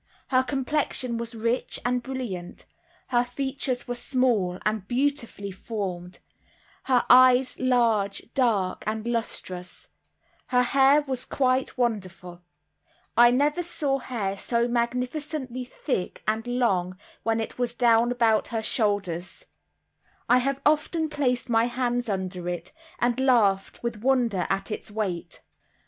Her complexion was rich and brilliant; her features were small and beautifully formed; her eyes large, dark, and lustrous; her hair was quite wonderful, I never saw hair so magnificently thick and long when it was down about her shoulders; I have often placed my hands under it, and laughed with wonder at its weight.